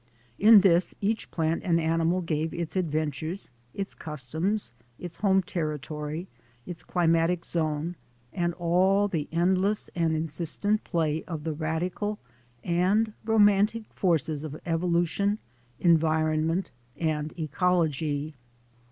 In this each plant and animal gave its adventures, its customs, its home territory, its climatic zone, and all the endless and insistent play of the radical and romantic forces of evolution, environment, and ecology.